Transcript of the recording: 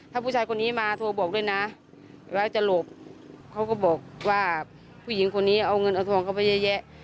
ถ้าผู้ชายคนนี้มาโทรบอกด้วยนะแล้วจะหลบเขาก็บอกว่าผู้หญิงคนนี้เอาเงินเอาทองเข้าไปเยอะแยะ